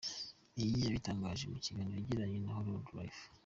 " Ibi yabitangaje mu kiganiro yagiranye na Hollywood Life.